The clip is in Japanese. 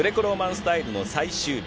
スタイルの最終日。